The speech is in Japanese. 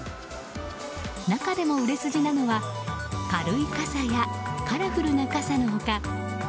中でも売れ筋なのは軽い傘やカラフルな傘の他